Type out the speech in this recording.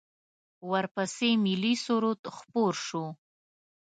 ورپسې ملی سرود خپور شو.